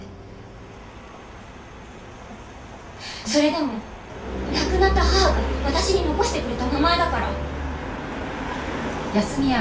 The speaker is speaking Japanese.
それでも亡くなった母が私に残してくれた名前だから。